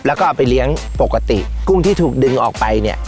แล้วก็เอาไปเลี้ยงปกติกุ้งที่ถูกดึงออกไปเนี่ย